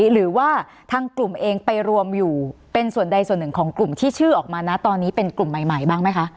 หรือว่าทางกลุ่มเองไปรวมอยู่เป็นส่วนใดส่วนหนึ่งของกลุ่มที่ชื่อออกมานะตอนนี้เป็นกลุ่มใหม่บ้างไหมคะ